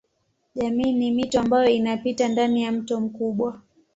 Jamii ni mito ambayo inapita ndani ya mto mkubwa.